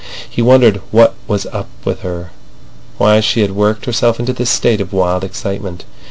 He wondered what was up with her, why she had worked herself into this state of wild excitement.